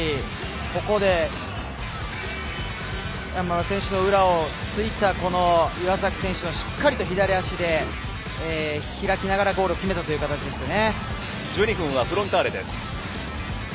ここで山村選手の裏をついた岩崎選手のしっかりと左足で開きながらゴールを決めた形ですね。